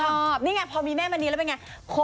ชอบนี่ไงพอมีแม่มณีแล้วเป็นไง